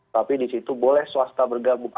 tapi di situ boleh swasta bergabung